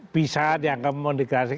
bisa dianggap mendegrasik